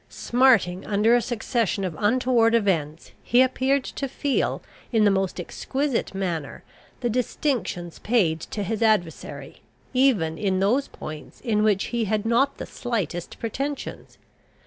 Smarting under a succession of untoward events, he appeared to feel, in the most exquisite manner, the distinctions paid to his adversary, even in those points in which he had not the slightest pretensions.